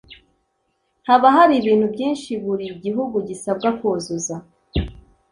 Haba hari ibintu byinshi buri gihugu gisabwa kuzuza